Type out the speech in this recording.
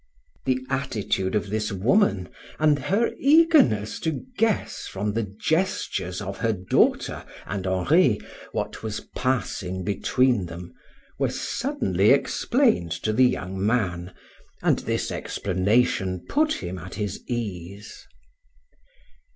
The attitude of this woman and her eagerness to guess from the gestures of her daughter and Henri what was passing between them, were suddenly explained to the young man; and this explanation put him at his ease.